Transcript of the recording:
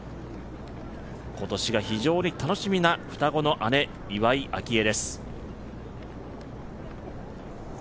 今年が非常に楽しみな双子の姉・岩井明愛です。